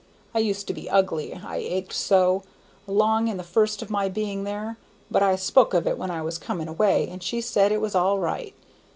I used to be ugly, I ached so, along in the first of my being there, but I spoke of it when I was coming away, and she said it was all right.